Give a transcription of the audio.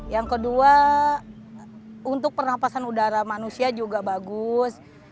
yang kedua untuk pernafasan udara manusia juga bagus